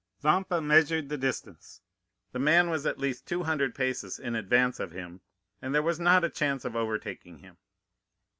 Vampa measured the distance; the man was at least two hundred paces in advance of him, and there was not a chance of overtaking him.